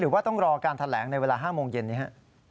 ว่าต้องรอการแถลงในเวลา๕โมงเย็นนี้ฮะ